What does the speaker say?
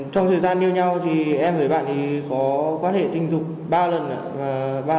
trong thời gian yêu nhau thì em với bạn ấy có quan hệ tình dục ba lần